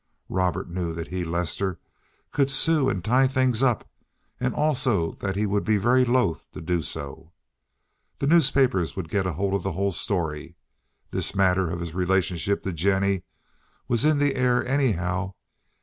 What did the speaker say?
Robert knew that he, Lester, could sue and tie things up, and also that he would be very loath to do so. The newspapers would get hold of the whole story. This matter of his relationship to Jennie was in the air, anyhow.